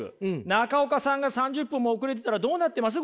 中岡さんが３０分も遅れてたらどうなってます？